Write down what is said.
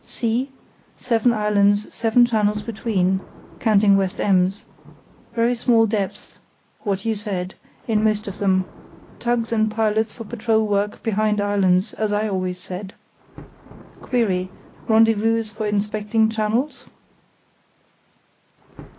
Sea—7 islands, 7 channels between (counting West Ems), very small depths (what you said) in most of them. Tugs and pilots for patrol work behind islands, as I always said. Querry: Rondezvous is for inspecting channels?